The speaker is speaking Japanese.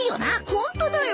ホントだよ。